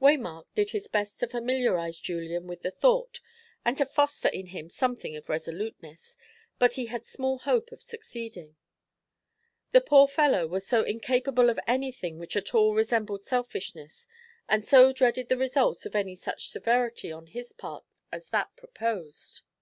Waymark did his best to familiarise Julian with the thought, and to foster in him something of resoluteness, but he had small hope of succeeding. The poor fellow was so incapable of anything which at all resembled selfishness, and so dreaded the results of any such severity on his part as that proposed.